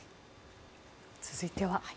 続いては。